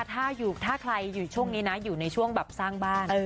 ถ้าใครอยู่ช่วงนี้นะอยู่ในช่วงแบบสร้างบ้าน